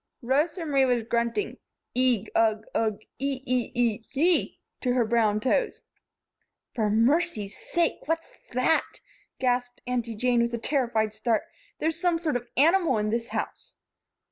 Rosa Marie was grunting. "Eigh, ugh, ugh, ee, ee, ee, hee!" to her own bare brown toes. "For mercy's sake! What's that?" gasped Aunty Jane, with a terrified start. "There's some sort of an animal in this house."